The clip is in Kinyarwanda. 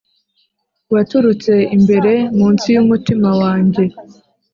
waturutse imbere, munsi yumutima wanjye.